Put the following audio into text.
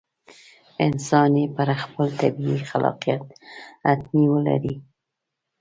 انسان یې پر خپل طبیعي خلاقیت حتمي ولري.